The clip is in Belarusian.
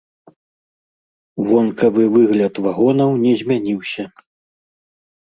Вонкавы выгляд вагонаў не змяніўся.